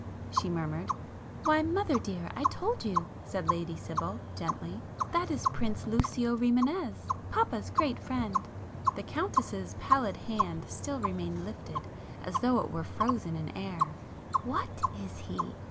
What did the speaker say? she murmured. "Why, mother dear, I told you"—said Lady Sibyl gently—"That is Prince Lucio Rimânez, Papa's great friend." The Countess's pallid hand still remained lifted, as though it were frozen in air. "What is he?"